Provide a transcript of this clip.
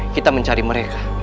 kita mencari mereka